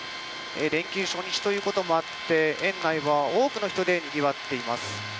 連休初日ということもあり園内は多くの人でにぎわっています。